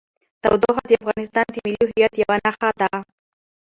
تودوخه د افغانستان د ملي هویت یوه نښه ده.